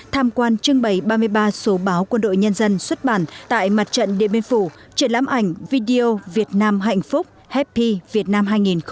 tham quan trưng bày ba mươi ba số báo quân đội nhân dân xuất bản tại mặt trận điện biên phủ triển lãm ảnh video việt nam hạnh phúc happy vietnam hai nghìn hai mươi bốn